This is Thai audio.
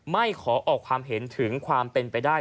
ไม่ขอออกความเห็นถึงความเป็นไปได้